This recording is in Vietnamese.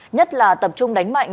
nhất là tập trung đánh mạnh